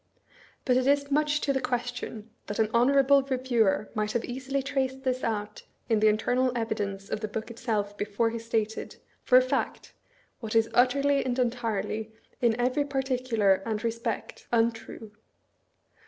But it is much to the question that an honorable reviewer might have easily traced this out in the internal evidence of the book itself before he stated, for a fact, what is utterly and entirely, in every particular and respect, untrue.